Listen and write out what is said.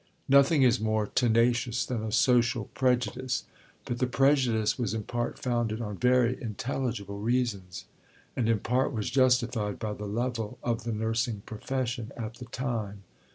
Nothing is more tenacious than a social prejudice. But the prejudice was in part founded on very intelligible reasons, and in part was justified by the level of the nursing profession at the time.